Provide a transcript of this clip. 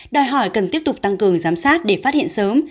đòi hỏi cần tiếp tục tăng cường giám sát để phát hiện sớm